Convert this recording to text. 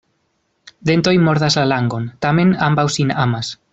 Dentoj mordas la langon, tamen ambaŭ sin amas.